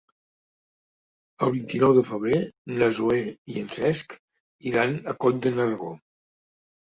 El vint-i-nou de febrer na Zoè i en Cesc iran a Coll de Nargó.